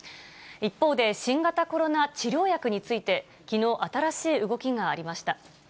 一方で、新型コロナ治療薬について、きのう、新しい動きがありました。